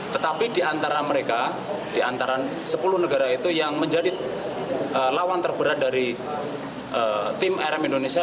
tetapi di antara mereka di antara sepuluh negara itu yang menjadi lawan terberat dari tim rm indonesia